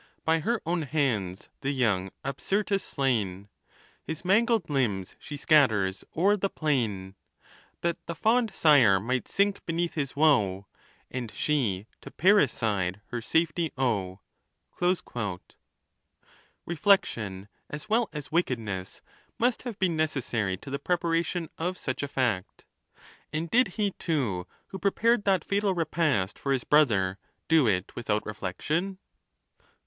By her own hands the young Absyrtus slain, His mangled limbs she scatters o'er the plain, That the fond sire might sink beneath his woe, And she to parricide her safety owe. Reflection, as well as wickedness, must have been neces sary to the preparation of such a fact; and did he too, who prepared that fatal repast for his brother, do it without reflection